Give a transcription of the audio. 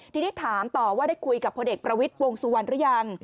ทีนี้ถามต่อว่าได้คุยกับพลเอกประวิทย์วงสุวรรณหรือยัง